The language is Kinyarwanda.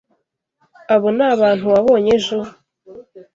Abo ni abantu wabonye ejo?